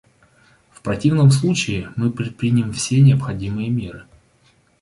В противном случае мы предпримем все необходимые меры.